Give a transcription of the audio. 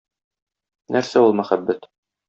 Нәрсә ул мәхәббәт?